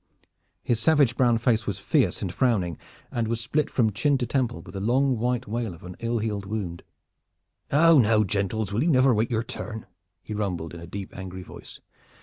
His savage brown face was fierce and frowning, and was split from chin to temple with the long white wale of an ill healed wound. "How now, gentles, will you never wait your turn?" he rumbled in a deep angry voice.